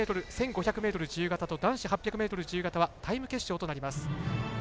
女子１００ｍ、１５００ｍ男子８００ｍ自由形はタイム決勝となります。